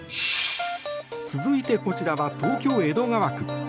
続いて、こちらは東京・江戸川区。